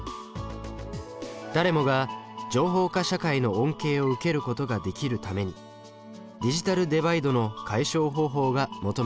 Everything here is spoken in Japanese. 誰もが情報化社会の恩恵を受けることができるためにディジタルデバイドの解消方法が求められています。